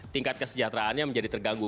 tingkat kesejahteraannya menjadi terganggu